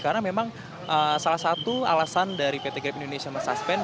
karena memang salah satu alasan dari pt grab indonesia men suspend